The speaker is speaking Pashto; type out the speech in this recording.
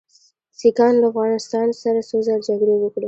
سیکهانو له افغانانو سره څو ځله جګړې وکړې.